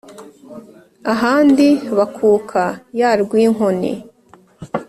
ahandi bakuka ya rwinkoni